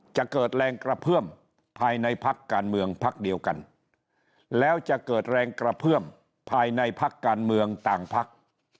จะเกิดแรงกระเพื่อมภายในพักการเมืองพักเดียวกันแล้วจะเกิดแรงกระเพื่อมภายในพักการเมืองต่างพัก